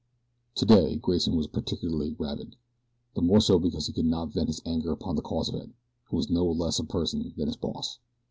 Today Grayson was particularly rabid. The more so because he could not vent his anger upon the cause of it, who was no less a person than his boss.